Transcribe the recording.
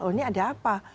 oh ini ada apa